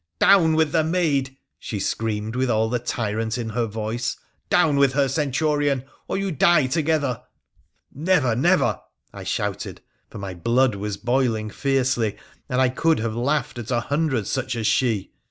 ' Down with the maid !' she screamed, with all the tyrant in her voice. 'Down with her, Centurion, or you die together !'' Never ! never !' I shouted, for my blood was boiling fiercely, and I could have laughed at a hundred such as she.